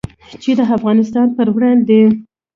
چې د افغانستان په وړاندې